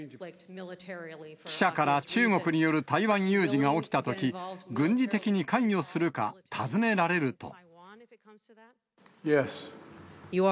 記者から中国による台湾有事が起きたとき、軍事的に関与するか尋ねられると。